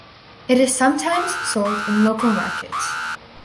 It is sometimes sold in local markets.